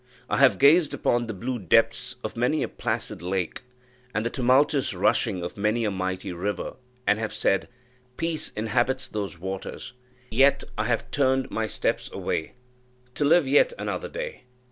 I have gazed upon the blue depths of many a placid lake, and the tumultuous rushing of many a mighty river, and have said, peace inhabits those waters; yet I have turned my steps away, to live yet another day.